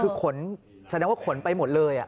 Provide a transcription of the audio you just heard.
คือขนแสดงว่าขนไปหมดเลย